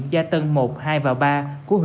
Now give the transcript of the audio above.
gia tân một hai và